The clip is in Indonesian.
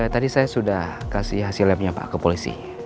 tadi saya sudah kasih hasil labnya pak ke polisi